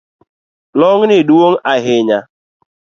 Long’ni duong’ ahinya